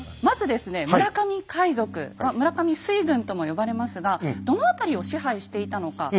まずですね村上海賊「村上水軍」とも呼ばれますがどの辺りを支配していたのか。